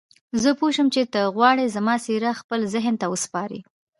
زه پوه شوم چې ته غواړې زما څېره خپل ذهن ته وسپارې.